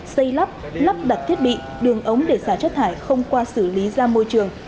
xây lắp lắp đặt thiết bị đường ống để xả chất thải không qua xử lý ra môi trường